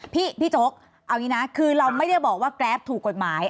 พี่จกคือเราไม่ได้บอกว่ากราฟถูกกฎหมาย